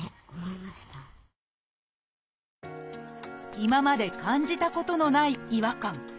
今まで感じたことのない違和感。